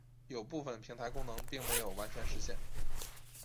有部分平台功能并没有完全实现。